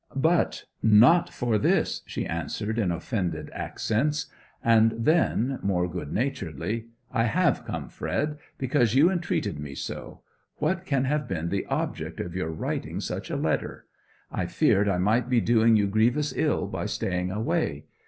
'But not for this,' she answered, in offended accents. And then, more good naturedly, 'I have come, Fred, because you entreated me so! What can have been the object of your writing such a letter? I feared I might be doing you grievous ill by staying away.